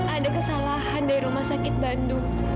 ada kesalahan dari rumah sakit bandung